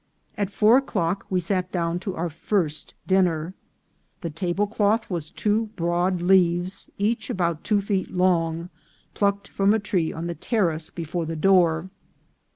At four o'clock we sat down to our first dinner. The tablecloth was two broad leaves, each about two feet long, plucked from a tree on the terrace before the door.